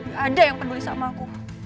gak ada yang peduli sama aku